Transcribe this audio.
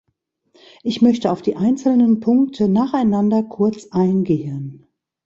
Ich möchte auf die einzelnen Punkte nacheinander kurz eingehen.